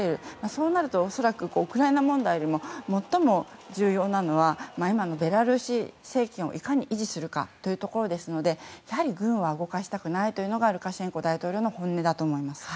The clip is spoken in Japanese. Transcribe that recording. そうなると恐らくウクライナ問題で最も重要なのはベラルーシ政権をいかに維持するかなので軍は動かしたくないのがルカシェンコ大統領の本音だと思います。